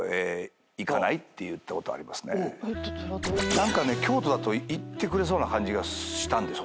何か京都だと行ってくれそうな感じがしたんですよ